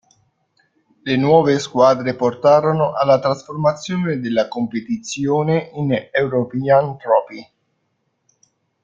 Le nuove squadre portarono alla trasformazione della competizione in European Trophy.